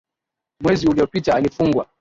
mwezi uliopita alifungwa.